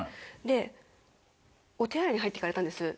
お手洗いに入って行かれたんです。